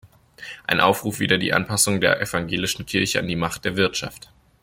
Ein Aufruf wider die Anpassung der Evangelischen Kirche an die Macht der Wirtschaft.